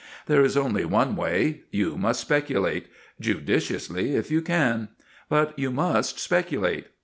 There is only one way: you must speculate judiciously, if you can; but you must speculate.